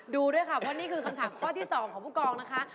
ดูด้วยค่ะเพราะนี่คือคำถามข้อที่๒ของผู้กองนะคะ